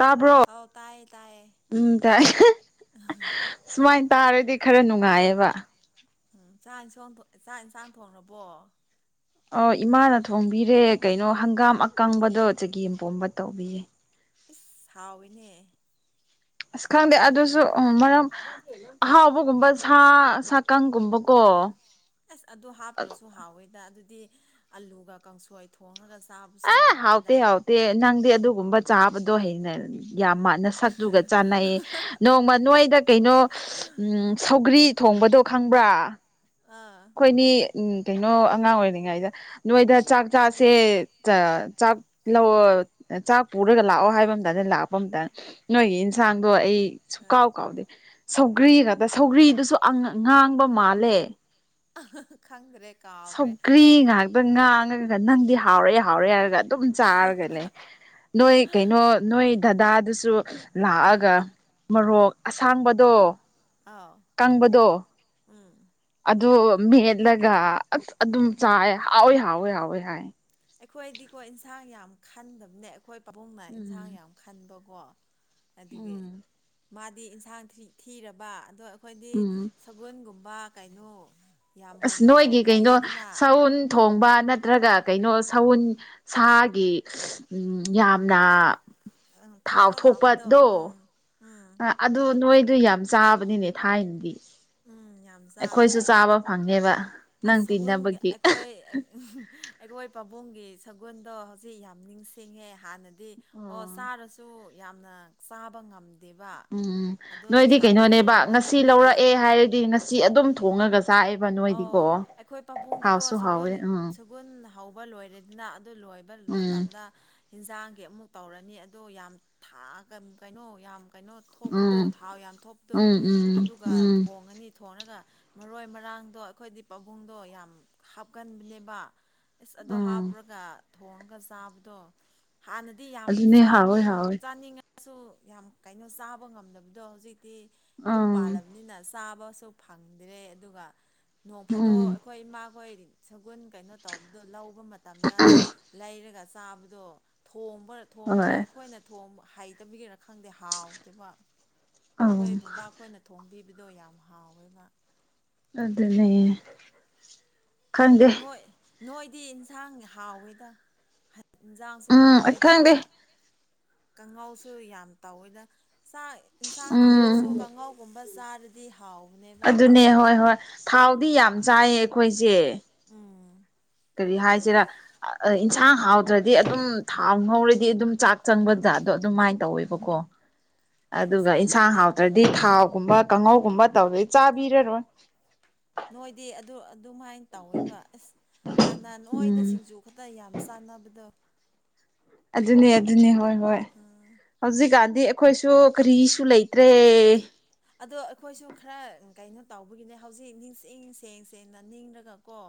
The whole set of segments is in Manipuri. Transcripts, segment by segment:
ꯇꯥꯕ꯭ꯔꯣ ꯑꯧ ꯇꯥꯏꯌꯦ ꯇꯥꯏꯌꯦ ꯎꯝ ꯇꯥꯏ ꯁꯨꯃꯥꯏꯟ ꯇꯥꯔꯗꯤ ꯈꯔ ꯅꯨꯡꯉꯥꯏꯌꯦꯕ ꯎꯝ ꯆꯥꯛ ꯏꯟꯁꯣꯡ ꯆꯥꯛ ꯑꯦꯟꯁꯥꯡ ꯊꯣꯡꯔꯕꯣ ꯑꯣ ꯏꯃꯥꯅ ꯊꯣꯡꯕꯤꯔꯦ ꯀꯩꯅꯣ ꯍꯪꯒꯥꯝ ꯑꯀꯪꯕꯗꯣ ꯆꯒꯦꯝꯄꯣꯝꯕ ꯇꯧꯕꯤꯌꯦ ꯏꯁ ꯍꯥꯎꯋꯤꯅꯦ ꯑꯁ ꯈꯪꯗꯦ ꯑꯗꯨꯖꯨ ꯎꯝ ꯃꯔꯝ ꯑꯍꯥꯎꯕꯒꯨꯝꯕ ꯁꯥ ꯁꯥꯀꯪꯒꯨꯝꯕꯀꯣ ꯑꯁ ꯑꯗꯨ ꯍꯥꯞꯇ꯭ꯔꯁꯨ ꯍꯥꯎꯋꯦꯗꯥ ꯑꯗꯨꯗꯤ ꯑꯂꯨꯒ ꯀꯥꯡꯁꯣꯏ ꯊꯣꯡꯔꯒ ꯆꯥꯕꯨ ꯑ ꯍꯥꯎꯇꯦ ꯍꯥꯎꯇꯦ ꯅꯪꯗꯤ ꯑꯗꯨꯒꯨꯝꯕ ꯆꯥꯕꯗꯣ ꯍꯩꯅꯔ ꯌꯥꯝꯃ ꯅꯁꯛꯇꯨꯒ ꯆꯥꯅꯩ ꯅꯣꯡꯃ ꯅꯣꯏꯗ ꯀꯩꯅꯣ ꯎꯝ ꯁꯧꯒ꯭ꯔꯤ ꯊꯣꯡꯕꯗꯣ ꯈꯪꯕ꯭ꯔꯥ ꯑꯥ ꯈꯣꯏꯅꯤ ꯎꯝ ꯀꯩꯅꯣ ꯑꯉꯥꯡ ꯑꯣꯏꯔꯤꯉꯩꯗ ꯅꯣꯏꯗ ꯆꯥꯛ ꯆꯥꯁꯦ ꯆ ꯆꯥꯛ ꯂꯧꯑꯣꯠ ꯑ ꯆꯥꯛ ꯄꯨꯔꯒ ꯂꯥꯑꯣ ꯍꯥꯏꯕ ꯃꯇꯝꯗ ꯂꯥꯛꯄ ꯃꯇ ꯅꯣꯏꯒꯤ ꯏꯟꯁꯥꯡꯗꯣ ꯑꯩ ꯑꯥ ꯁꯨꯀꯥꯎ ꯀꯥꯎꯗꯦ ꯁꯧꯒ꯭ꯔꯤꯒꯗꯣ ꯁꯧꯒ꯭ꯔꯤꯗꯨꯁꯨ ꯑꯉ ꯉꯥꯡꯕ ꯃꯥꯜꯂꯦ ꯈꯪꯗ꯭ꯔꯦꯛ ꯁꯧꯒ꯭ꯔꯤ ꯉꯥꯛꯇ ꯉꯥꯡꯉꯒ ꯅꯪꯗꯤ ꯍꯥꯎꯔꯦ ꯍꯥꯎꯔꯦ ꯍꯥꯏꯔꯒ ꯑꯗꯨꯝ ꯆꯥꯔꯒ ꯂꯩ ꯅꯣꯏ ꯀꯩꯅꯣ ꯅꯣꯏ ꯗꯗꯥꯗꯨꯁꯨ ꯑꯥ ꯂꯥꯑꯒ ꯃꯔꯣꯛ ꯑꯁꯥꯡꯕꯗꯣ ꯑꯥꯎ ꯀꯪꯕꯗꯣ ꯎꯝ ꯑꯗꯨ ꯃꯦꯠꯂꯒ ꯑꯁ ꯑꯗꯨꯝ ꯆꯥꯏ ꯍꯥꯎꯋꯤ ꯍꯥꯎꯋꯦ ꯍꯥꯎꯋꯦ ꯍꯥꯏ ꯑꯩꯈꯣꯏꯗꯤꯀꯣ ꯏꯟꯁꯥꯡ ꯌꯥꯝ ꯈꯟꯗꯕꯅꯦ ꯑꯩꯈꯣꯏ ꯄꯥꯕꯨꯡꯅ ꯏꯟꯁꯥꯡ ꯎꯝ ꯌꯥꯝ ꯈꯟꯕꯀꯣ ꯑꯗꯨꯒꯤ ꯎꯝ ꯃꯥꯗꯤ ꯏꯟꯁꯥꯡ ꯊ꯭ꯔꯤ ꯊꯤꯔꯕ ꯑꯗꯣ ꯑꯈꯣꯏꯗꯤ ꯎꯝ ꯁꯒꯨꯟꯒꯨꯝ ꯕꯥ ꯀꯩꯅꯣ ꯌꯥꯝ ꯑꯁ ꯀꯩꯅꯣ ꯇꯧ ꯅꯣꯏꯒꯤ ꯀꯩꯅꯣ ꯂꯩꯌꯦꯗꯅ ꯁꯎꯟ ꯊꯣꯡꯕ ꯅꯠꯇ꯭ꯔꯒ ꯀꯩꯅꯣ ꯁꯎꯟ ꯁꯥꯒꯤ ꯎꯝ ꯌꯥꯝꯅ ꯑꯪ ꯊꯣꯠ ꯊꯥꯎ ꯊꯣꯠ ꯂꯥꯎꯕꯗꯣ ꯊꯣꯛꯄꯗꯣ ꯎꯝ ꯎꯝ ꯑꯗꯨ ꯅꯣꯏꯗꯨ ꯌꯥꯝ ꯆꯥꯕꯅꯤꯅꯦ ꯊꯥꯏꯟꯗꯤ ꯎꯝ ꯌꯥꯝ ꯆꯥꯕꯅꯦ ꯐꯪꯉꯦꯕ ꯅꯪ ꯑꯁ ꯁꯒꯨꯟꯒ ꯇꯤꯟꯅꯕꯒꯤ ꯑꯩꯈꯣꯏ ꯑꯩꯒꯣꯏ ꯄꯥꯕꯨꯡꯒꯤ ꯁꯒꯨꯟꯗꯣ ꯍꯧꯖꯤꯛ ꯌꯥꯝ ꯅꯤꯡꯁꯤꯡꯉꯦ ꯍꯥꯟꯅꯗꯤ ꯗꯤ ꯑꯣ ꯆꯥꯔꯁꯨ ꯌꯥꯝꯅ ꯆꯥꯕ ꯉꯝ ꯎꯝ ꯅꯣꯏꯗꯤ ꯀꯩꯅꯣꯅꯦꯕ ꯑꯣꯏꯕ ꯉꯁꯤ ꯃꯇꯝꯗꯗꯤ ꯂꯧꯔꯑꯦ ꯍꯥꯏꯔꯗꯤ ꯉꯁꯤ ꯑꯗꯨꯝ ꯊꯣꯡꯉꯒ ꯆꯥꯏ ꯑꯣ ꯑꯩꯈꯣꯏ ꯄꯥꯕꯨꯡꯗꯤꯀꯣ ꯁꯒꯨꯜ ꯍꯥꯎꯋꯦ ꯎꯝ ꯁ ꯒꯨꯟ ꯍꯧꯕ ꯂꯣꯏꯔꯦꯗꯅ ꯑꯗꯨ ꯂꯣꯏꯕ ꯎꯝ ꯃꯇꯝꯗ ꯍꯤꯟꯖꯥꯡꯒꯤ ꯑꯃꯨꯛ ꯇꯧꯔꯅꯤ ꯑꯗꯣ ꯌꯥꯝ ꯊꯥꯒ ꯀꯩꯅꯣ ꯌꯥꯝ ꯀꯩꯅꯣ ꯊꯣꯛꯄꯗꯣ ꯎꯝ ꯊꯥꯎ ꯌꯥꯝ ꯊꯣꯞꯗꯣ ꯎꯝ ꯎꯝ ꯑꯗꯨꯒ ꯎꯝ ꯊꯣꯡꯉꯅꯤꯠ ꯊꯣꯡꯔꯒ ꯃꯔꯣꯏ ꯃꯔꯥꯡꯗꯣ ꯑꯩꯈꯣꯏꯗꯤ ꯄꯥꯕꯨꯡꯗꯣ ꯌꯥꯝ ꯍꯥꯞꯀꯟꯕꯅꯦꯕ ꯏꯁ ꯑꯗꯣ ꯎꯝ ꯍꯥꯞꯔꯒ ꯊꯣꯡꯉꯒ ꯆꯥꯕꯗꯣ ꯍꯥꯟꯅꯗꯤ ꯌꯥꯝ ꯑꯗꯨꯅꯦ ꯍꯥꯎꯋꯦ ꯆꯥꯅꯤꯡ ꯍꯥꯎꯋꯦ ꯆꯥꯅꯤꯡꯉꯦ ꯁꯨ ꯌꯥꯝ ꯀꯩꯅꯣ ꯆꯥꯕ ꯉꯝꯗꯕꯗꯣ ꯍꯧꯖꯤꯛꯇꯤ ꯌꯨꯝ ꯎꯝ ꯄꯥꯜꯂꯕꯅꯤꯅ ꯆꯥꯕꯁꯨ ꯐꯪꯗ꯭ꯔꯦ ꯑꯗꯨꯒ ꯅꯣꯡ ꯐꯥꯗꯣꯛ ꯎꯝ ꯑꯩꯈꯣꯏ ꯏꯃꯥꯈꯣꯏ ꯁꯒꯨꯟ ꯀꯩꯅꯣ ꯇꯧꯕꯗꯣ ꯂꯧꯕ ꯃꯇꯝꯗ ꯂꯩꯔꯒ ꯆꯥꯕꯗꯣ ꯊꯣꯡꯕꯔꯠ ꯊꯣꯡꯔꯒ ꯍꯣꯏ ꯑꯩꯈꯣꯏꯅ ꯊꯣꯡꯕ ꯍꯩꯇꯕꯤꯒꯤꯔ ꯈꯪꯗꯦ ꯍꯥꯎꯇꯦꯕ ꯈꯣꯏ ꯎꯝ ꯕꯥꯕꯥ ꯈꯣꯏꯅ ꯊꯣꯡꯕꯤꯕꯗꯣ ꯌꯥꯝ ꯍꯥꯎꯋꯦꯕ ꯑꯗꯨꯅꯦ ꯈꯪꯗꯦ ꯅꯣꯏ ꯅꯣꯏꯗꯤ ꯏꯟꯁꯥꯡ ꯍꯥꯎꯋꯤꯗ ꯏꯟꯖꯥꯡꯁꯨ ꯎꯝ ꯍꯥꯎꯋꯦ ꯑꯗꯨꯒ ꯈꯪꯗꯦ ꯀꯥꯡꯉꯧꯁꯨ ꯌꯥꯝ ꯇꯧꯋꯦꯗ ꯆꯥꯛ ꯏꯟꯁꯥꯡ ꯊꯤꯔꯁꯨ ꯎꯝ ꯀꯥꯡꯉꯧꯒꯨꯝꯕ ꯆꯥꯔꯗꯤ ꯍꯥꯎꯕꯅꯦꯕ ꯑꯗꯨꯅꯦ ꯍꯣꯏ ꯍꯣꯏ ꯊꯥꯎꯗꯤ ꯌꯥꯝ ꯆꯥꯏꯌꯦ ꯈꯣꯏꯁꯦ ꯎꯝ ꯀꯔꯤ ꯍꯥꯏꯁꯤꯔ ꯑ ꯑꯥ ꯏꯟꯁꯥꯡ ꯍꯥꯎꯇ꯭ꯔꯗꯤ ꯑꯗꯨꯝ ꯊꯥꯎ ꯉꯧꯔꯗꯤ ꯑꯗꯨꯝ ꯆꯥꯛ ꯆꯪꯕ ꯖꯥꯠꯇꯣ ꯑꯗꯨꯃꯥꯏꯅ ꯇꯧꯋꯦꯕꯀꯣ ꯎꯝ ꯑꯁ ꯑꯗꯨꯒ ꯏꯟꯁꯥꯡ ꯑꯩꯈꯣꯏꯗꯤ ꯍꯥꯎꯇ꯭ꯔꯗꯤ ꯊꯥꯎꯒꯨꯝꯕ ꯀꯥꯡꯉꯧꯒꯨꯝꯕ ꯇꯧꯗꯩ ꯆꯥꯕꯤꯔꯔꯣꯏ ꯅꯣꯏꯗꯤ ꯑꯗꯨ ꯑꯗꯨꯃꯥꯏꯟ ꯇꯧꯋꯦꯕ ꯑꯁ ꯍꯥꯟꯅ ꯅꯣꯏꯗ ꯎꯝ ꯁꯤꯡꯖꯨ ꯈꯛꯇ ꯌꯥꯝ ꯆꯥꯟꯅꯕꯗꯣ ꯑꯗꯨꯅꯦ ꯑꯗꯨꯅꯦ ꯍꯣꯏ ꯍꯣꯏ ꯑꯥ ꯍꯧꯖꯤꯛꯀꯥꯟꯗꯤ ꯑꯩꯈꯣꯏꯁꯨ ꯀꯔꯤꯁꯨ ꯂꯩ ꯇ꯭ꯔꯦ ꯑꯗꯣ ꯑꯩꯈꯣꯏꯁꯨ ꯈꯔ ꯀꯩꯅꯣ ꯇꯧꯕꯒꯤꯅꯦ ꯍꯧꯖꯤꯛ ꯅꯤꯡꯁꯤꯡ ꯁꯦꯡ ꯁꯦꯡꯅ ꯅꯤꯡꯔꯒꯀꯣ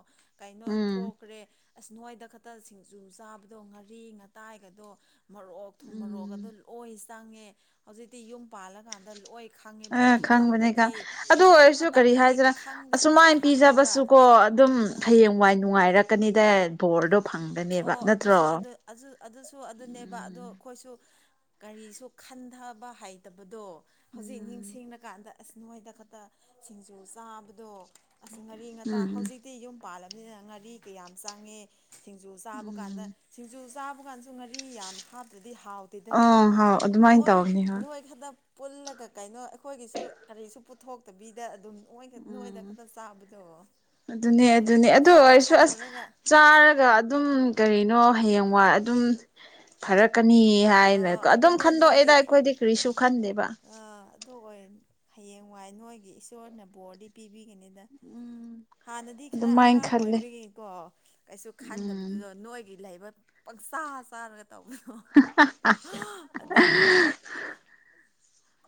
ꯀꯩꯅꯣ ꯎꯝ ꯊꯣꯛꯈ꯭ꯔꯦ ꯑꯁ ꯅꯣꯏꯗ ꯈꯠꯇ ꯁꯤꯡꯖꯨ ꯆꯥꯕꯗꯣ ꯉꯔꯤ ꯉꯥꯇꯥꯏꯒꯗꯣ ꯃꯣꯔꯣꯛ ꯊꯨꯝ ꯎꯝ ꯃꯣꯔꯣꯛꯀꯗꯣ ꯂꯣꯏ ꯆꯪꯉꯦ ꯍꯧꯖꯤꯛꯇꯤ ꯌꯨꯝ ꯄꯥꯜꯂꯀꯥꯟꯗ ꯂꯣꯏ ꯈꯪꯉꯦꯕ ꯑ ꯑꯗꯨ ꯈꯪꯕꯅꯦ ꯃꯇꯝꯗꯗꯤ ꯈꯪ ꯑꯗꯨ ꯑꯣꯏꯔꯁꯨ ꯀꯔꯤ ꯃꯇꯝꯗꯗꯤ ꯍꯥꯏꯁꯤꯔꯥ ꯈꯪꯗꯦ ꯑꯁꯨꯃꯥꯏꯟ ꯈꯪꯗꯦꯕ ꯄꯤꯖꯕꯁꯨ ꯀꯣ ꯑꯗꯨꯝ ꯑꯥ ꯍꯌꯦꯡꯋꯥꯏ ꯅꯨꯡꯉꯥꯏꯔꯛꯀꯅꯤꯗ ꯕꯣꯔꯗꯣ ꯐꯪꯒꯅꯦꯕ ꯑꯣ ꯅꯠꯇ꯭ꯔꯣ ꯑꯗꯨꯁꯨ ꯑꯗꯨ ꯑꯗꯨ ꯑꯗꯨꯁꯨ ꯑꯗꯨꯅꯦꯕ ꯑꯗꯣ ꯈꯣꯏꯁꯨ ꯀꯔꯤꯁꯨ ꯈꯟꯊꯕ ꯍꯩꯇꯕꯗꯣ ꯍꯧꯖꯤꯛ ꯅꯤꯡꯁꯤꯡꯉꯀꯥꯟꯗ ꯑꯁ ꯅꯣꯏꯗ ꯈꯠꯇ ꯁꯤꯡꯖꯨ ꯆꯥꯕꯗꯣ ꯑꯁ ꯉꯥꯔꯤ ꯎꯝ ꯉꯥꯇꯥ ꯎꯝ ꯍꯧꯖꯤꯛꯇꯤ ꯌꯨꯝ ꯄꯥꯜꯂꯝꯅꯤꯅ ꯉꯥꯔꯤꯀ ꯌꯥꯝ ꯆꯪꯉꯦ ꯁꯤꯡꯖꯨ ꯆꯥꯕ ꯀꯥꯟꯗ ꯎꯝ ꯁꯤꯡꯖꯨ ꯆꯥꯕ ꯀꯥꯟꯁꯨ ꯉꯥꯔꯤ ꯌꯥꯝ ꯍꯥꯞꯇ꯭ꯔꯗꯤ ꯍꯥꯎ ꯑꯥ ꯇꯦꯗꯅ ꯍꯥꯎ ꯑꯗꯨꯃꯥꯏꯅ ꯅꯣꯏ ꯇꯧꯕꯅꯤ ꯍꯣꯏ ꯅꯣꯏ ꯈꯛꯇ ꯄꯨꯜꯂꯒ ꯀꯩꯅꯣ ꯑꯩꯈꯣꯏꯒꯤꯁꯨ ꯀꯔꯤꯁꯨ ꯄꯨꯊꯣꯛꯇꯕꯤꯗ ꯑꯗꯨꯝ ꯅꯣꯏꯗ ꯅꯣꯏꯗ ꯎꯝ ꯈꯛꯇ ꯆꯥꯕꯗꯣ ꯑꯗꯨꯅꯦ ꯑꯗꯨ ꯑꯗꯨꯅꯦ ꯑꯗꯨ ꯈꯜꯂꯣ ꯑꯣꯏꯔꯁꯨ ꯑꯁ ꯈꯜꯂꯨꯔꯒ ꯆꯥꯔꯒ ꯑꯗꯨꯝ ꯀꯔꯤꯅꯣ ꯍꯌꯦꯡꯋꯥꯏ ꯑꯗꯨꯝ ꯐꯔꯛꯀꯅꯤ ꯍꯥꯏꯅ ꯑꯣ ꯑꯗꯨꯝ ꯑꯗꯨꯅꯦ ꯈꯟꯗꯣꯛꯑꯦꯗ ꯅꯣꯏꯒꯤ ꯑꯩꯈꯣꯏꯗꯤ ꯀꯔꯤꯁꯨ ꯈꯟꯗꯦꯕ ꯑꯥ ꯑꯗꯨ ꯑꯣꯏ ꯍꯌꯦꯡꯋꯥꯏ ꯅꯣꯏꯒꯤ ꯏꯁꯣꯔꯅ ꯕꯣꯔꯗꯤ ꯄꯤꯕꯤꯒꯅꯤꯗ ꯍꯥꯟꯅꯗꯤ ꯈꯔ ꯑꯗꯨꯃꯥꯏꯅ ꯑꯉꯥꯡ ꯈꯜꯂꯦ ꯑꯣꯏꯕꯒꯤꯀꯣ ꯀꯩꯁꯨ ꯎꯝ ꯈꯟꯗꯕꯗꯨꯗꯣ ꯅꯣꯏꯒꯤ ꯂꯩꯕ ꯄꯪꯆꯥꯥ ꯆꯥꯔꯒ ꯇꯧꯕꯗꯣ ꯍꯥ ꯍꯥ ꯍꯥ ꯍꯥ ꯑꯗꯨꯅꯦꯕ [unintelligible]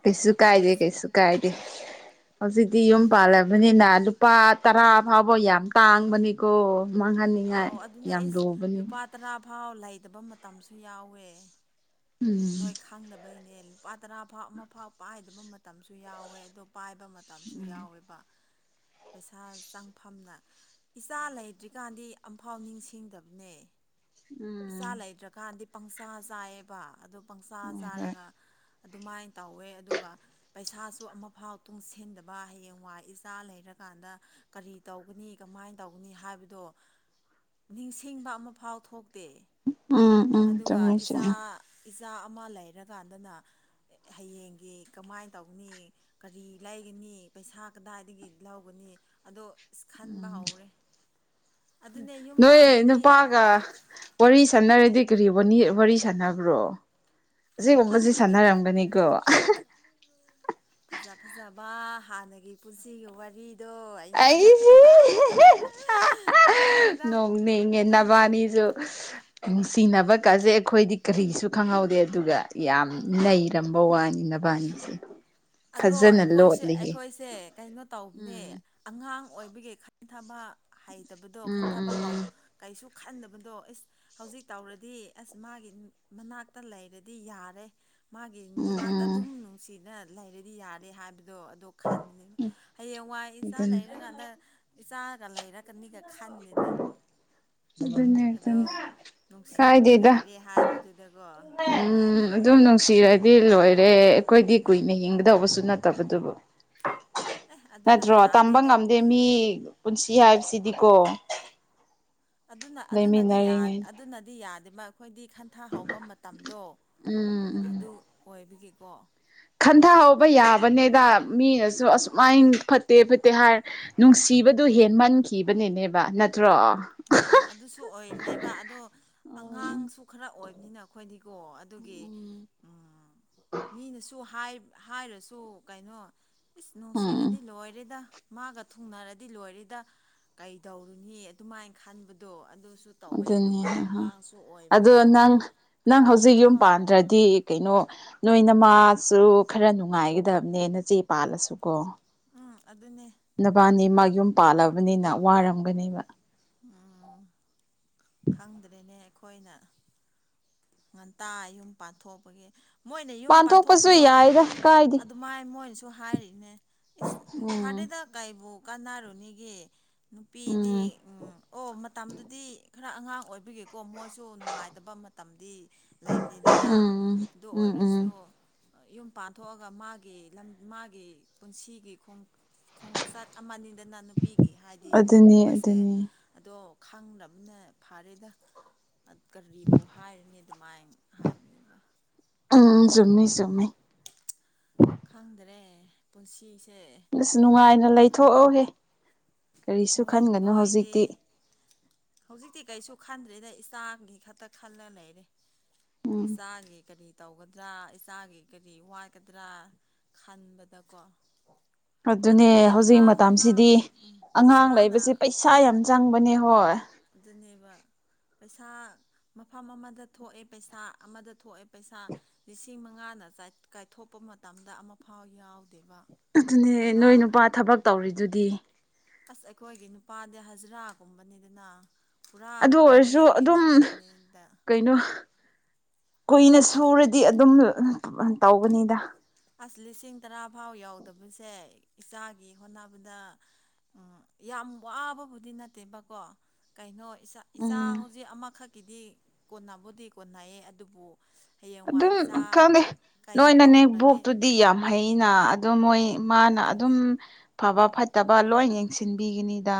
ꯀꯩꯁꯨ ꯍꯧꯖꯤꯛꯇꯤ ꯀꯥꯏꯗꯦ ꯏꯁ ꯀꯩꯁꯨ ꯀꯥꯏ ꯗꯦ ꯍꯧꯖꯤꯛꯇꯤ ꯏꯁ ꯌꯨꯝ ꯍꯧꯖꯤꯛꯇꯤ ꯄꯥꯜꯂꯕꯅꯤꯅ ꯎꯝ ꯂꯨꯄꯥ ꯇꯔꯥ ꯐꯥꯎꯕ ꯌꯥꯝ ꯇꯥꯡꯕꯅꯤꯀꯣ ꯃꯥꯡꯍꯟꯅꯤꯡꯉꯥꯏ ꯑꯧ ꯑꯗꯨꯅꯦ ꯌꯥꯝ ꯏꯁ ꯂꯨꯕꯅꯤ ꯂꯨꯄꯥ ꯇꯔꯥ ꯐꯥꯎ ꯂꯩꯇꯕ ꯃꯇꯝꯁꯨ ꯌꯥꯎꯋꯦ ꯅꯣꯏ ꯈꯪꯗꯕꯩꯅꯦ ꯂꯨꯄꯥ ꯇꯔꯥ ꯐꯥꯎ ꯑꯃ ꯐꯥꯎ ꯄꯥꯏꯗꯕ ꯃꯇꯝꯁꯨ ꯌꯥꯎꯋꯦ ꯑꯗꯣ ꯄꯥꯏꯕ ꯃꯇꯝꯁꯨ ꯌꯥꯎꯋꯦꯕ ꯄꯩꯁꯥ ꯆꯪꯐꯝꯅ ꯏꯆꯥ ꯂꯩꯇ꯭ꯔꯤꯀꯥꯟꯗꯤ ꯑꯝꯐꯥꯎ ꯅꯤꯡꯁꯤꯡꯗꯕꯅꯦ ꯏꯆꯥ ꯎꯝ ꯂꯩꯗ꯭ꯔꯀꯥꯟꯗꯤ ꯄꯪꯆꯥ ꯆꯥꯏꯌꯦꯕ ꯑꯗꯨ ꯄꯪꯆꯥ ꯎꯝ ꯍꯣꯏ ꯍꯣꯏ ꯆꯥꯔꯒ ꯑꯗꯨꯃꯥꯏꯟ ꯇꯧꯋꯦ ꯑꯗꯨꯒ ꯄꯩꯁꯥꯁꯨ ꯑꯃꯐꯥꯎ ꯇꯨꯡꯁꯤꯟꯗꯕ ꯍꯌꯦꯡ ꯋꯥꯏ ꯏꯆꯥ ꯂꯩꯔꯀꯥꯟꯗ ꯀꯔꯤ ꯇꯧꯒꯅꯤ ꯀꯃꯥꯏꯅ ꯇꯧꯒꯅꯤ ꯍꯥꯏꯕꯗꯣ ꯅꯤꯡꯁꯤꯡꯕ ꯑꯃꯐꯥꯎ ꯊꯣꯛ ꯇꯦ ꯎꯝ ꯎꯝ ꯑꯗꯨꯒ ꯆꯨꯝꯃꯤ ꯏꯆꯥ ꯆꯨꯝꯃꯤ ꯏꯆꯥ ꯑꯃ ꯂꯩꯔꯀꯥꯟꯗꯅ ꯑꯦ ꯍꯌꯦꯡꯒꯤ ꯀꯃꯥꯏ ꯇꯧꯒꯅꯤ ꯀꯔꯤ ꯂꯩꯒꯅꯤ ꯄꯩꯁꯥ ꯀꯗꯥꯏꯗꯒꯤ ꯂꯧꯒꯅꯤ ꯑꯗꯣ ꯈꯟꯕ ꯎꯝ ꯍꯧꯔꯦ ꯑꯗꯨꯅꯦ ꯌꯨꯝ ꯅꯣꯏ ꯄꯥꯜꯂꯗꯤ ꯅꯨꯄꯥꯒ ꯋꯥꯔꯤ ꯁꯥꯟꯅꯔꯗꯤ ꯀꯔꯤ ꯋꯥꯅꯤ ꯋꯥꯔꯤ ꯁꯥꯟꯅꯕ꯭ꯔꯣ ꯑꯁꯤꯒꯨꯝꯕꯁꯤ ꯈꯪꯗꯦꯗ ꯁꯥꯟꯅꯔꯝꯒꯅꯤꯀꯣ ꯐꯖ ꯐꯖꯕ ꯍꯥꯟꯅꯒꯤ ꯄꯨꯟꯁꯤꯒꯤ ꯋꯥꯔꯤꯗꯣ ꯑꯩꯁꯤ [unintelligible] ꯈꯪꯗꯦꯗ ꯅꯣꯡꯅꯤꯡꯉꯦ ꯑꯥ ꯅꯕꯥꯅꯤꯁꯨ [inaudible] ꯅꯨꯡꯁꯤꯅꯕ ꯀꯖꯦ ꯑꯩꯈꯣꯏꯗꯤ ꯀꯔꯤꯁꯨ ꯈꯪꯍꯧꯗꯦ ꯑꯗꯨꯒ ꯌꯥꯝ ꯅꯩꯔꯝꯕ ꯋꯥꯅꯤ ꯅꯕꯅꯤꯁꯤ [inaudible] ꯑꯗꯣ ꯑꯩꯈꯣꯏꯁꯦ ꯑꯩꯈꯣꯏꯁ ꯁꯦ ꯀꯩꯅꯣ ꯇꯧꯕꯅꯦ ꯎꯝ ꯑꯉꯥꯡ ꯑꯣꯏꯕꯒꯤ ꯈꯟꯊꯕ ꯍꯩ ꯇꯕꯗꯣ ꯎꯝ ꯈꯟꯊꯕ ꯎꯝ ꯍꯧ ꯀꯩꯁꯨ ꯈꯟꯗꯕꯗꯣ ꯑꯦꯁ ꯍꯧꯖꯤꯛ ꯇꯧꯔꯗꯤ ꯑꯁ ꯃꯥꯒꯤ ꯃꯅꯥꯛꯇ ꯂꯩꯔꯗꯤ ꯌꯥꯔꯦ ꯃꯥꯒꯤ ꯎꯝ ꯃꯅꯥꯛꯇ ꯎꯝ ꯑꯗꯨꯝ ꯅꯨꯡꯁꯤꯅ ꯂꯩꯔꯗꯤ ꯌꯥꯔꯦ ꯍꯥꯏꯕꯗꯣ ꯑꯗꯣ ꯈꯟꯕꯅꯤ ꯍꯌꯦꯡꯋꯥꯏ ꯏꯆꯥ ꯑꯗꯨꯅꯤ ꯂꯩꯔꯀꯥꯟꯗ ꯏꯆꯥꯒ ꯂꯩꯔꯀꯅꯤꯒ ꯈꯟꯗꯦꯗ ꯑꯗꯨꯅꯦ ꯑꯗꯨꯅꯦ ꯀꯥꯏꯗꯦꯗ ꯑꯦ ꯍꯥꯏꯕꯗꯨꯗꯀꯣ ꯑꯗꯨꯃꯥꯏꯅ ꯎꯝ ꯑꯗꯨꯝ ꯇꯧꯋꯦꯕ ꯅꯨꯡꯁꯤꯔꯗꯤ ꯂꯣꯏꯔꯦ ꯑꯩꯈꯣꯏꯗꯤ ꯀꯨꯏꯅ ꯍꯤꯡꯒꯗꯧꯕꯁꯨ ꯅꯠꯇꯦ ꯕꯗꯨꯕꯨ ꯑꯦ ꯑꯗꯨꯅ ꯅꯠꯇ꯭ꯔꯣ ꯇꯝꯕ ꯌꯥꯗꯦꯗ ꯉꯝꯗꯦ ꯃꯤ ꯄꯨꯟꯁꯤ ꯍꯥꯏꯕꯁꯤꯗꯤꯀꯣ ꯑꯗꯨꯅ ꯑꯗꯨꯅꯗꯤ ꯌꯥꯗꯦꯕ ꯂꯩꯃꯤꯟꯅꯔꯤꯉꯩꯗ ꯑꯗꯨꯅꯗꯤ ꯑꯩꯈꯣꯏꯗꯤ ꯈꯟ ꯄꯟꯊꯥ ꯍꯧꯕ ꯃꯇꯝꯗꯣ ꯎꯝ ꯎꯝ ꯑꯗꯨ ꯑꯣꯏꯕꯒꯤꯀꯣ ꯈꯟꯊꯍꯧꯕ ꯌꯥꯕꯅꯦꯗ ꯃꯤꯅꯁꯨ ꯑꯁꯨꯃꯥꯏꯅ ꯐꯠꯇꯦ ꯐꯠꯇꯦ ꯍꯥꯏꯔ ꯅꯨꯡꯁꯤꯕꯗꯨ ꯍꯦꯟ ꯃꯟꯈꯤꯕꯅꯤꯅꯦꯕ ꯅꯠꯇ꯭ꯔꯣ ꯎꯝ ꯑꯗꯨꯁꯨ ꯑꯣꯏꯕꯅꯦꯕ ꯑꯗꯣ ꯎꯝ ꯑꯉꯥꯡꯁꯨ ꯈꯔ ꯑꯣꯏꯕꯅꯤꯅ ꯑꯩꯈꯣꯏꯗꯤꯀꯣ ꯑꯗꯨꯒꯤ ꯎꯝ ꯃꯤꯅꯁꯨ ꯍꯥꯏ ꯍꯥꯏꯔꯁꯨ ꯀꯩꯅꯣ ꯏꯁ ꯎꯝ ꯅꯨꯡꯁꯤꯔꯗꯤ ꯂꯣꯏꯔꯦꯗ ꯃꯥꯒ ꯊꯨꯡꯅꯔꯗꯤ ꯂꯣꯏꯔꯦꯗ ꯀꯩꯗꯧꯔꯨꯅꯤ ꯑꯗꯨꯃꯥꯏꯅ ꯈꯟꯕꯗꯣ ꯑꯗꯨꯁꯨ ꯇꯧꯋꯦ ꯑꯗꯨꯅꯦ ꯑꯗꯨꯒ ꯍꯥ ꯑꯉꯥꯡꯁꯨ ꯑꯗꯣ ꯑꯣꯏꯕꯒꯤꯀꯣ ꯀꯔꯤ ꯃꯐꯝ ꯗꯤ ꯀꯩꯅꯣ ꯅꯣꯏꯅ ꯃꯥꯁꯨ ꯈꯔ ꯅꯨꯡꯉꯥꯏꯒꯗꯕꯅꯦ ꯅꯆꯦ ꯄꯥꯜꯂꯁꯨ ꯀꯣ ꯎꯝ ꯑꯗꯨꯅꯦ ꯅꯕꯥꯅꯤꯃꯛ ꯌꯨꯝ ꯄꯥꯜꯂꯕꯅꯤꯅ ꯋꯥꯔꯝꯒꯅꯤꯕ ꯑꯥ ꯈꯪꯗ꯭ꯔꯦꯅꯦ ꯑꯩꯈꯣꯏꯅ ꯉꯟꯇꯥ ꯌꯨꯝ ꯄꯥꯟꯊꯣꯛꯄꯒꯤ ꯃꯣꯏꯅ ꯌꯨꯝ ꯄꯥꯟꯊꯣꯛꯄꯁꯨ ꯄꯥꯟꯊꯣꯛꯄꯗꯣ ꯌꯥꯏꯗ ꯀꯥꯏꯗꯦ ꯑꯗꯨ ꯃꯥꯏ ꯃꯣꯏꯅꯁꯨ ꯍꯥꯏꯔꯤꯅꯦ ꯏꯁ ꯎꯝ ꯐꯥꯔꯦꯗ ꯀꯩꯕꯨ ꯀꯥꯟꯅꯔꯨꯅꯤꯒꯦ ꯅꯨꯄꯤꯗꯤ ꯎꯝ ꯎꯝ ꯑꯣ ꯃꯇꯝꯗꯨꯗꯤ ꯈꯔ ꯑꯉꯥꯡ ꯑꯣꯏꯕꯤꯒꯦꯀꯣ ꯃꯣꯏꯁꯨ ꯅꯨꯡꯉꯥꯏꯇꯕ ꯃꯇꯝ ꯗꯤ ꯂꯩꯕꯅꯤꯗꯅ ꯎꯝ ꯑꯗꯨ ꯎꯝ ꯎꯝ ꯑꯣꯏꯔꯁꯨ ꯌꯨꯝ ꯄꯥꯟꯊꯣꯛꯑꯒ ꯃꯥꯒꯤ ꯂꯝ ꯃꯥꯒꯤ ꯄꯨꯟꯁꯤꯒꯤ ꯈꯣꯡ ꯈꯣꯡꯆꯠ ꯑꯃꯅꯤꯗꯅ ꯅꯨꯄꯤꯒꯤ ꯍꯥꯏꯗꯤ ꯑꯗꯨꯅꯤ ꯂꯨꯍꯣꯡꯕꯁꯦ ꯑꯗꯨꯅꯤ ꯑꯗꯣ ꯈꯪꯗꯕꯅ ꯐꯔꯦꯗ ꯀꯔꯤꯕꯨ ꯍꯥꯏꯔ ꯅꯤ ꯑꯗꯨꯃꯥꯏ ꯍꯥꯏꯕꯅꯦꯕ ꯎꯝ ꯆꯨꯝꯃꯤ ꯆꯨꯝꯃꯤ ꯈꯪꯗ꯭ꯔꯦ ꯄꯨꯟꯁꯤꯁꯦ ꯑꯁ ꯅꯨꯡꯉꯥꯏꯅ ꯂꯩꯊꯣꯛꯑꯣꯍꯦ ꯀꯔꯤꯁꯨ ꯅꯣꯏ ꯈꯟꯒꯅꯨ ꯅꯣꯏꯗꯤ ꯍꯧꯖꯤꯛꯇꯤ ꯍꯧꯖꯤꯛꯇꯤ ꯀꯩꯁꯨ ꯈꯟꯗ꯭ꯔꯦꯗ ꯏꯆꯥꯒꯤꯈꯛꯇ ꯈꯜꯂ ꯂꯩꯔꯦ ꯎꯝ ꯏꯆꯥꯒꯤ ꯀꯔꯤ ꯇꯧꯒꯗ꯭ꯔꯥ ꯏꯆꯥꯒꯤ ꯀꯔꯤ ꯋꯥꯠꯀꯗ꯭ꯔꯥ ꯈꯟꯕꯗꯀꯣ ꯑꯗꯨꯅꯦ ꯍꯧꯖꯤꯛ ꯑꯉꯥꯡ ꯑꯉꯥꯡ ꯃꯇꯝꯁꯤꯗꯤ ꯎꯝ ꯑꯉꯥꯡ ꯄꯩꯁꯥꯅ ꯂꯩꯕꯁꯦ ꯄꯩꯁꯥ ꯌꯥꯝ ꯆꯪꯕꯅꯦ ꯍꯣꯏ ꯑꯗꯨꯅꯦꯕ ꯄꯩꯁꯥ ꯃꯐꯝ ꯑꯃꯗ ꯊꯣꯛꯑꯦ ꯄꯩꯁꯥ ꯑꯃꯗ ꯊꯣꯛꯑꯦ ꯄꯩꯁꯥ ꯂꯤꯁꯤꯡ ꯃꯉꯥꯅ ꯆꯥꯏ ꯀꯥꯏꯊꯣꯛꯄ ꯃꯇꯝꯗ ꯑꯃꯐꯥꯎ ꯌꯥꯎ ꯑꯗꯨꯅꯦ ꯅꯣꯏ ꯅꯨꯄꯥ ꯊꯕꯛ ꯇꯧꯔꯤꯗꯨꯗꯤ ꯑꯁ ꯑꯩꯈꯣꯏꯒꯤ ꯅꯨꯄꯥꯗꯤ ꯍꯖꯔꯥꯒꯨꯝꯕꯅꯤꯗꯅ ꯄꯨꯔꯥ ꯑꯗꯨ ꯑꯣꯏꯔꯁꯨ ꯄꯥꯔꯃꯤꯅꯦꯟꯒꯤ ꯑꯗꯨꯝ ꯅꯠꯇꯕꯅꯤꯗ ꯀꯩꯅꯣ ꯀꯨꯏꯅ ꯁꯨꯔꯗꯤ ꯑꯗꯨꯝ ꯇꯧꯕꯅꯤꯗ ꯑꯁ ꯂꯤꯁꯤꯡ ꯇꯔꯥ ꯐꯥꯎ ꯌꯧꯗꯕꯁꯦ ꯏꯆꯥꯒꯤ ꯍꯣꯠꯅꯕꯗ ꯎꯝ ꯌꯥꯝ ꯋꯥꯕꯕꯨꯗꯤ ꯅꯠꯇꯦꯕꯀꯣ ꯀꯩꯅꯣ ꯏꯁꯥ ꯏꯆꯥ ꯎꯝ ꯍꯧꯖꯤꯛ ꯑꯃꯈꯛꯀꯤꯗꯤ ꯀꯣꯟꯕꯨꯗꯤ ꯀꯣꯟꯅꯩꯌꯦ ꯑꯗꯨꯕꯨ ꯍꯌꯦꯡꯋꯥꯏ ꯏꯆꯥ ꯀꯩꯅꯣ ꯇꯧ ꯕꯣꯛꯇꯨꯗꯤ ꯌꯥꯝ ꯍꯩꯅ ꯑꯗꯣ ꯃꯣꯏ ꯃꯥꯅ ꯑꯗꯨꯝ ꯐꯕ ꯐꯠꯇꯕ ꯂꯣꯏ ꯌꯦꯡꯁꯤꯟꯕꯤꯒꯤꯅꯤꯗ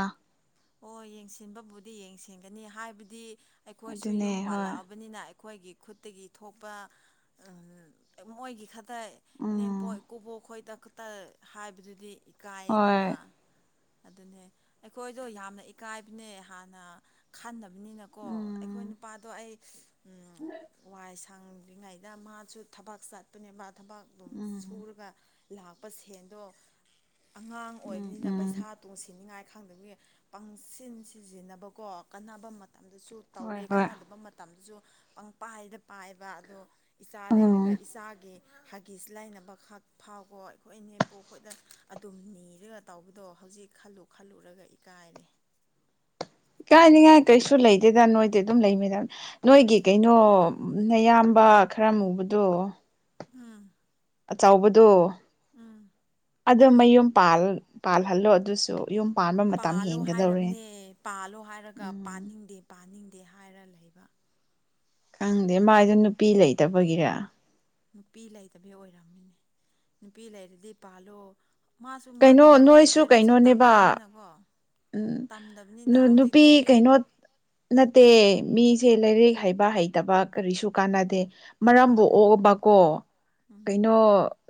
ꯍꯣꯏ ꯌꯦꯡꯁꯤꯟꯕꯕꯨꯗꯤ ꯌꯦꯡꯁꯤꯟꯒꯅꯤ ꯍꯥꯏꯕꯗꯤ ꯑꯩꯈꯣꯏꯁꯨ ꯑꯗꯨꯅꯦ ꯌꯨꯝ ꯍꯣꯏ ꯄꯥꯜꯂꯛꯑꯕꯅꯤꯅ ꯑꯩꯈꯣꯏꯒꯤ ꯈꯨꯠꯇꯒꯤ ꯊꯣꯛꯄ ꯑ ꯃꯣꯏꯒꯤ ꯈꯛ ꯇꯥꯏ ꯎꯝ ꯏꯅꯦꯝꯄꯣꯛ ꯏꯀꯨꯕꯣꯛ ꯈꯣꯏꯗ ꯈꯛꯇ ꯍꯥꯏꯕꯗꯨꯗꯤ ꯏꯀꯥꯏꯌꯦꯗꯅ ꯍꯣꯏ ꯑꯗꯨꯅꯦ ꯑꯈꯣꯏ ꯑꯩꯗꯣ ꯌꯥꯝꯅ ꯏꯀꯥꯏꯕꯅꯦ ꯍꯥꯟꯅ ꯈꯟꯗꯕꯅꯤꯅꯀꯣ ꯑꯩꯈꯣꯏ ꯎꯝ ꯅꯨꯄꯥꯗꯣ ꯑꯩ ꯎꯝ ꯋꯥꯏ ꯁꯪꯗ꯭ꯔꯤꯉꯩꯗ ꯃꯥꯁꯨ ꯊꯕꯥꯛ ꯆꯠ ꯑꯗꯨꯅꯦ ꯃꯥ ꯊꯕꯛ ꯑꯗꯨꯝ ꯎꯝ ꯁꯨꯔꯒ ꯂꯥꯛꯄꯥ ꯁꯦꯟꯗꯣ ꯑꯉꯥꯡ ꯎꯝ ꯑꯣꯏꯕꯅꯤꯅ ꯎꯝ ꯄꯩꯁꯥ ꯇꯨꯡꯁꯤꯟꯅꯤꯉꯥꯏ ꯈꯪꯗꯕꯒꯤ ꯄꯪꯁꯤꯟ ꯁꯤꯖꯤꯟꯅꯕꯀꯣ ꯀꯥꯟꯅꯕ ꯃꯇꯝꯗꯁꯨ ꯍꯣꯏ ꯇꯧꯔꯦ ꯍꯣꯏ ꯀꯥꯟꯅꯗꯕ ꯃ ꯃꯇꯝꯗꯨꯁꯨ ꯄꯪ ꯄꯥꯏꯗ ꯄꯥꯏꯕ ꯑꯗꯣ ꯏꯆꯥ ꯎꯝ ꯂꯩꯔꯒ ꯏꯆꯥꯒꯤ ꯍꯥꯒꯤꯁ ꯂꯥꯏꯅꯕ ꯈꯛ ꯐꯥꯎꯕ ꯑꯩꯈꯣꯏ ꯏꯅꯦꯝꯄꯣꯛ ꯈꯣꯏꯗ ꯑꯗꯨꯝ ꯅꯤꯔꯒ ꯇꯧꯕꯗꯣ ꯍꯧꯖꯤꯛ ꯈꯜꯂꯨ ꯈꯜꯂꯨꯔꯒ ꯏꯀꯥꯏꯔꯦ ꯏ ꯀꯥꯏꯅꯤꯉꯥꯏ ꯀꯩꯁꯨ ꯂꯩꯇꯦꯗ ꯅꯣꯏ ꯇꯤ ꯑꯗꯨꯝ ꯂꯩꯃꯤꯟꯅꯕ ꯅꯣꯏꯒꯤ ꯀꯩꯅꯣ ꯅꯌꯥꯝꯕ ꯈꯔ ꯃꯨꯕꯗꯣ ꯎꯝ ꯑꯆꯧꯕꯗꯣ ꯎꯝ ꯑꯗꯨ ꯃꯌꯨꯝ ꯄꯥꯜ ꯄꯥꯜꯍꯜꯂꯣ ꯑꯗꯨꯁꯨ ꯌꯨꯝ ꯄꯥꯟꯕ ꯃꯇꯝ ꯄꯥꯜꯂꯣ ꯍꯦꯟꯒꯗꯧꯔꯦ ꯍꯥꯏꯔꯕꯅꯦ ꯄꯥꯜꯂꯣ ꯍꯥꯏꯔꯒ ꯎꯝ ꯄꯥꯅꯤꯡꯗꯦ ꯄꯥꯅꯤꯡꯗꯦ ꯍꯥꯏꯔ ꯂꯩꯕ ꯈꯪꯗꯦ ꯃꯥꯏꯗꯣ ꯅꯨꯄꯤ ꯂꯩꯇꯕꯒꯤꯔ ꯅꯨꯄꯤ ꯂꯩꯇꯕꯩ ꯑꯣꯏꯔꯝꯃꯅꯤ ꯅꯨꯄꯤ ꯂꯩꯔꯗꯤ ꯄꯥꯜꯂꯣ ꯃꯥꯁꯨ ꯀꯩꯅꯣ ꯃꯥꯗꯤ ꯂꯥꯏꯔꯤꯛ ꯅꯣꯏꯁꯨ ꯂꯥꯏꯔꯤꯛꯁꯨ ꯀꯩꯅꯣꯅꯦꯕ ꯇꯝꯗꯝꯅꯤꯅꯀꯣ ꯎꯝ ꯅꯨ ꯅꯨꯄꯤ ꯀꯩꯅꯣ ꯅꯠꯇꯦ ꯃꯤꯁꯦ ꯂꯥꯏꯔꯤꯛ ꯍꯩꯕ ꯍꯩꯇꯕ ꯀꯔꯤꯁꯨ ꯀꯥꯟꯅꯗꯦ ꯃꯔꯝꯕꯨ ꯎꯝ ꯑꯣꯛꯑꯕꯀꯣ ꯎꯝ ꯀꯩꯅꯣ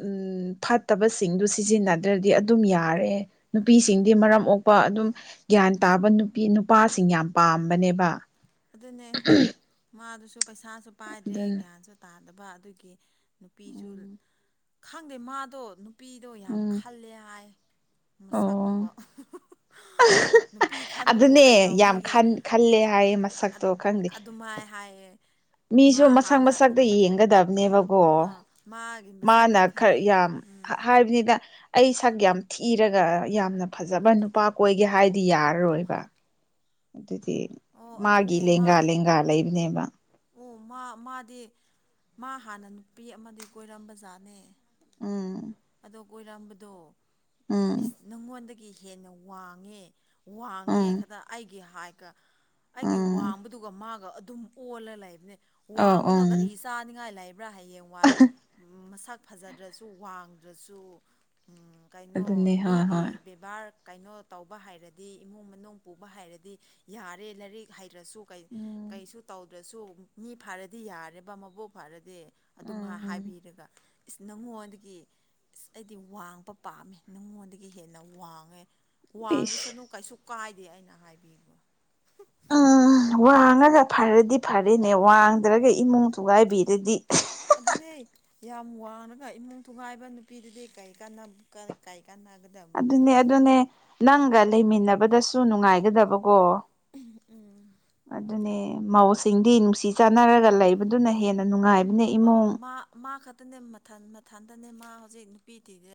ꯎꯝ ꯐꯠꯇꯕꯁꯤꯡꯗꯨ ꯁꯤꯖꯤꯟꯅꯗ꯭ꯔꯗꯤ ꯑꯗꯨꯝ ꯌꯥꯔꯦ ꯅꯨꯄꯤꯁꯤꯡꯗꯤ ꯎꯝ ꯃꯔꯝ ꯑꯣꯛ ꯄ ꯑꯗꯨꯝ ꯒ꯭ꯌꯥꯟ ꯇꯥꯕ ꯅꯨꯄꯤ ꯅꯨꯄꯥꯁꯤꯡ ꯌꯥꯝ ꯄꯥꯝꯕꯅꯦꯕ ꯑꯗꯨꯅꯦ [unintelligible] ꯃꯥꯗꯨꯁꯨ ꯄꯩꯁꯥꯁꯨ ꯄꯥꯏꯗ꯭ꯔꯦ ꯑꯗꯨꯅ ꯒ꯭ꯌꯥꯟꯁꯨ ꯇꯥꯗꯕ ꯑꯗꯨꯒꯤ ꯅꯨꯄꯤꯁꯨ ꯎꯝ ꯈꯪꯗꯦ ꯃꯥꯗꯣ ꯅꯨꯄꯤꯗꯣ ꯌꯥꯝ ꯎꯝ ꯈꯜꯂꯦ ꯍꯥꯏ ꯑꯣ ꯃꯁꯛꯇꯨꯒ ꯅꯨꯄꯤ ꯈꯟꯕꯕꯨ ꯀꯩꯗꯧꯅꯤꯒꯦ ꯈꯜꯂ‌ꯦ ꯍꯥꯏꯌꯦ ꯃꯁꯛꯇ‌ꯣ ꯈꯪꯗꯦ ꯃꯥꯏ ꯍꯥꯏꯌꯦ ꯃꯤꯁꯨ ꯃꯥ ꯃꯁꯛ ꯍꯥꯟꯅ ꯃꯁꯛꯇ ꯌꯦꯡꯒꯗꯕꯅꯦꯕ ꯒ‌ꯣ ꯑꯥ ꯃꯥꯒꯤ ꯃꯥꯅ ꯃꯁꯛꯇꯤ ꯈꯟ ꯈꯔ ꯌꯥꯝ ꯍꯥ ꯎꯝ ꯍꯥꯏꯕꯅꯤꯗ ꯑꯩ ꯁꯛ ꯌꯥꯝ ꯊꯤꯔꯒ ꯌꯥꯝꯅ ꯐꯖꯕ ꯅꯨ ꯄꯥ ꯀꯣꯏꯒꯦ ꯍꯥꯏꯗꯤ ꯌꯥꯔꯣꯏꯕ ꯑꯗꯨꯗꯤ ꯑꯣ ꯃꯥꯒꯤ ꯑꯗꯨꯅꯦ ꯃꯥ ꯂꯦꯡꯒꯥ ꯂꯦꯡꯒꯥ ꯂꯩꯕꯅꯦꯕ ꯑꯣ ꯃꯥ ꯃꯥꯗꯤ ꯃꯥ ꯍꯥꯟꯅ ꯅꯨꯄꯤ ꯑꯃꯥꯗꯤ ꯀꯣꯏꯔꯝꯕ ꯖꯥꯅꯦ ꯎꯝ ꯑꯗꯣ ꯀꯣꯏꯔꯝꯕꯗꯣ ꯏꯁ ꯎꯝ ꯅꯪꯉꯣꯟꯗꯒꯤ ꯍꯦꯟꯅ ꯋꯥꯡꯉꯦ ꯋꯥꯡꯉꯦ ꯎꯝ ꯈꯇ ꯑꯩꯒꯤ ꯍꯥꯏ ꯀ ꯑꯩꯒꯤ ꯎꯝ ꯋꯥꯡꯕꯗꯨꯒ ꯃꯥꯒ ꯑꯗꯨꯝ ꯑꯣꯜꯂ ꯂꯩꯕꯅ‌ꯦ ꯑꯧ ꯋꯥꯡꯕꯅ ꯀꯔꯤ ꯎꯝ ꯆꯥꯅꯤꯡꯉꯥꯏ ꯂꯩ ꯕ꯭ꯔꯥ ꯍꯌꯦꯡ ꯋꯥꯏ ꯃꯁꯛ ꯐꯖꯗ꯭ꯔꯁꯨ ꯋꯥꯡꯗ꯭ꯔꯁꯨ ꯎꯝ ꯀꯩꯅꯣ ꯑꯗꯨꯅꯦ ꯍꯣꯏ ꯍꯣꯏ ꯃꯤꯒꯤ ꯕ‌ꯦꯕ ꯕꯥꯔ ꯀꯩꯅꯣ ꯇꯧꯕ ꯍꯩꯔꯗꯤ ꯏꯃꯨꯡ ꯃꯅꯨꯡ ꯄꯨꯕ ꯍꯩꯔꯗꯤ ꯌꯥꯔꯦ ꯂꯥꯏꯔꯤꯛ ꯍꯩꯔꯁꯨ ꯀꯩ ꯎꯝ ꯀꯩꯁꯨ ꯇꯧꯗ꯭ꯔꯁꯨ ꯃꯤ ꯐꯔꯗꯤ ꯌꯥꯔꯦꯕ ꯃꯕꯨꯛ ꯐꯔꯗꯤ ꯑꯗꯨ ꯎꯝ ꯝꯥ ꯎꯝ ꯍꯥꯏꯕꯤꯔꯒ ꯏꯁ ꯅꯪꯉꯣꯟꯗꯒꯤ ꯏꯁ ꯑꯩꯗꯤ ꯋꯥꯡꯄ ꯄꯥꯝꯃꯦ ꯅꯪꯉꯣꯟꯗꯒꯤ ꯍꯦꯟꯅ ꯋꯥꯡꯉꯦ ꯏꯁ ꯋꯥꯡꯗꯁꯅꯨ ꯀꯩꯁꯨ ꯀꯥꯏꯗꯦ ꯑꯩꯅ ꯍꯥꯏꯕꯤꯕ ꯎꯝ ꯋꯥꯡꯉꯒ ꯐꯔꯗꯤ ꯐꯔꯦꯅꯦ ꯋꯥꯡꯗ꯭ꯔꯒ ꯏꯃꯨꯡ ꯊꯨꯒꯥꯏꯕꯤꯔꯗꯤ ꯑꯗꯨꯅꯦ ꯌꯥꯝ ꯋꯥꯡꯉꯒ ꯏꯃꯨꯡ ꯊꯨꯒꯥꯏꯕ ꯅꯨꯄꯤꯗꯨꯗꯤ ꯀꯩ ꯀꯥꯟ [unintelligible] ꯀꯩ ꯀꯥꯟꯅꯥꯒꯗꯕ ꯅꯨ ꯑꯗꯨꯅꯦ ꯀꯣ ꯑꯗꯨꯅꯦ ꯅꯪꯒ ꯂꯩꯃꯤꯟꯅꯕꯗꯁꯨ ꯅꯨꯡꯉꯥꯏꯒꯗꯕꯀꯣ ꯎꯝ ꯑꯗꯨꯅꯦ ꯃꯧꯁꯤꯡꯗꯤ ꯅꯨꯡꯁꯤ ꯆꯥꯅꯔꯒ ꯂꯩꯕꯗꯨꯅ ꯍꯦꯟꯅ ꯅꯨꯉꯥꯏꯕꯅꯦ ꯏꯃꯨꯡ ꯑ ꯃꯥ ꯃꯥ ꯈꯇꯅꯦ ꯃꯊꯟ ꯃꯊꯟꯇꯅꯦ ꯃꯥ ꯍꯧꯖꯤꯛ ꯅꯨꯄꯤ ꯊꯤꯗꯦ